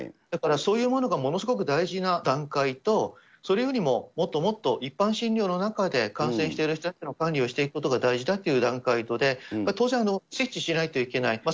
だからそういうものがものすごく大事な段階と、それよりももっともっと一般診療の中で、感染している人たちの管理をしていくことが大事だという段階とで、当然、注視しなきゃいけない。